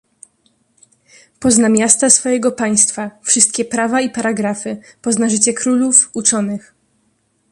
"Pozna miasta swojego państwa, wszystkie prawa i paragrafy, pozna życie królów, uczonych."